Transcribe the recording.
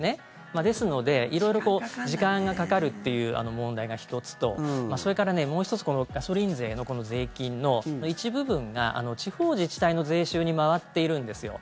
ですので、色々時間がかかるという問題が１つとそれからもう１つガソリン税の税金の一部分が地方自治体の税収に回っているんです。